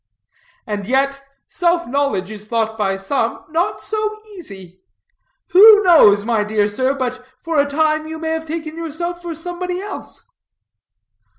"And yet self knowledge is thought by some not so easy. Who knows, my dear sir, but for a time you may have taken yourself for somebody else?